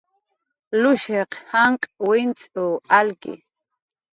Lushiq janq' wincxw alki